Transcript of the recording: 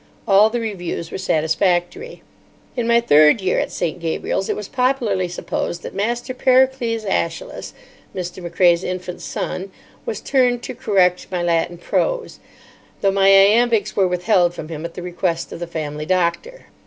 All the reviews were satisfactory. In my third year at St. Gabriel's it was popularly supposed that Master Pericles Aeschylus, Mr. Macrae's infant son, was turned to correct my Latin prose, though my Iambics were withheld from him at the request of the family doctor.